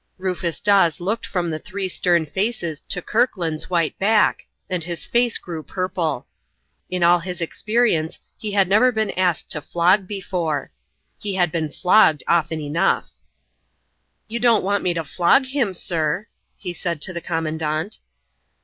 Rufus Dawes looked from the three stern faces to Kirkland's white back, and his face grew purple. In all his experience he had never been asked to flog before. He had been flogged often enough. "You don't want me to flog him, sir?" he said to the Commandant.